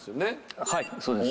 はいそうです。